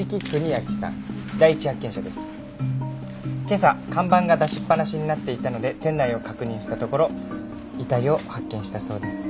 今朝看板が出しっぱなしになっていたので店内を確認したところ遺体を発見したそうです。